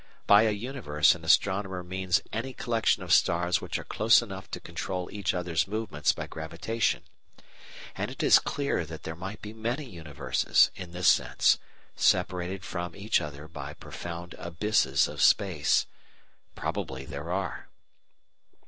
By a universe an astronomer means any collection of stars which are close enough to control each other's movements by gravitation; and it is clear that there might be many universes, in this sense, separated from each other by profound abysses of space. Probably there are.